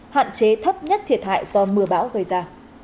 hạn chế thấp nhất thiệt hại do mưa bão gây ra